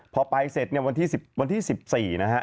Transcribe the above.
พอไปเสร็จเนี่ยวันที่๑๔นะฮะ